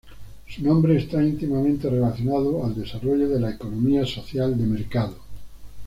Su nombre está íntimamente relacionado al desarrollo de la "Economía social de mercado".